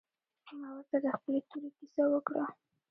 ما ورته د خپلې تورې کيسه وکړه.